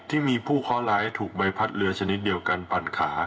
ที่มีผู้เคาะร้ายถูกใบพัดเรือชนิดเดียวกันปั่นขา